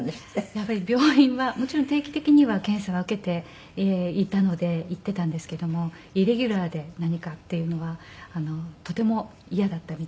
やっぱり病院はもちろん定期的には検査は受けていたので行っていたんですけどもイレギュラーで何かっていうのはとても嫌だったみたいで。